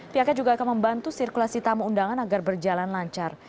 pihaknya juga akan membantu sirkulasi tamu undangan agar berjalan lancar